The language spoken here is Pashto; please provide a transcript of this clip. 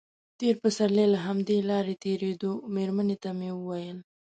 تېر پسرلی چې له همدې لارې تېرېدو مېرمنې ته مې ویل.